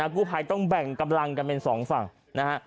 กู้ภัยต้องแบ่งกำลังกันเป็นสองฝั่งนะฮะ